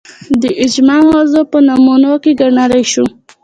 د اجماع موضوع په نمونو کې ګڼلای شو